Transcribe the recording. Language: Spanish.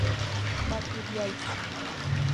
partiríais